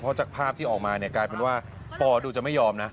เพราะจากภาพที่ออกมาเนี่ยกลายเป็นว่าปอดูจะไม่ยอมนะ